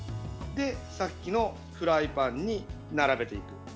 さっきのフライパンに並べていく。